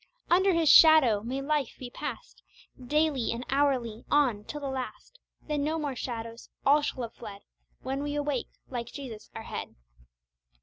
"Under His shadow" may life be passed Daily and hourly on till the last, Then no more shadows, all shall have fled When we awake like Jesus our Head.